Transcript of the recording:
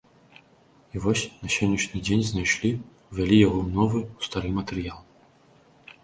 І вось на сённяшні дзень знайшлі, увялі яго ў новы, у стары матэрыял.